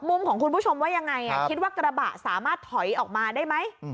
มุมของคุณผู้ชมว่ายังไงคิดว่ากระบะสามารถถอยออกมาได้ไหม